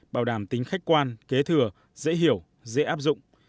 bảo đảm tính khách quan kế thừa dễ hiểu dễ áp dụng